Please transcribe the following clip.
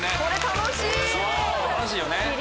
楽しいよね。